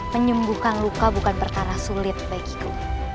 menyembuhkan luka bukan perkara sulit bagiku